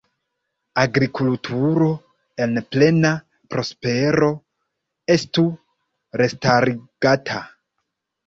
Agrikulturo en plena prospero estu restarigata.